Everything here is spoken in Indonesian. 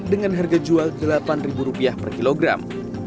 dengan harga jual rp delapan per kilogram